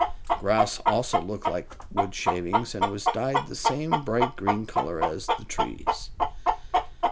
The grass also looked like wood shavings, and was dyed the same bright green color as the trees.